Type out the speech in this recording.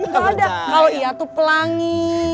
gak ada kalo iya tuh pelangi